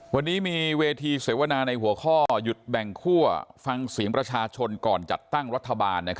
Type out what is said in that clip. วันนี้มีเวทีเสวนาในหัวข้อหยุดแบ่งคั่วฟังเสียงประชาชนก่อนจัดตั้งรัฐบาล